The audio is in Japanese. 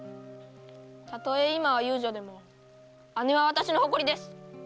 たとえ今は遊女でも姉は私の誇りです！